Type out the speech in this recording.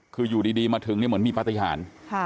คืออยู่ดีมาถึงมีปฏิหาร